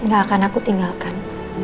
gak akan aku tinggalkan